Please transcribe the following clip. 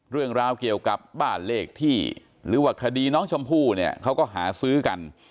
เรื่องราวเกี่ยวกับบ้านเลขที่หรือว่าคดีน้องชมพู่เนี่ยเขาก็หาซื้อกัน